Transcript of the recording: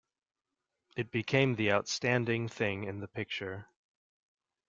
It became the outstanding thing in the picture.